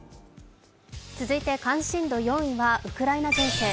続いて関心度４位はウクライナ情勢。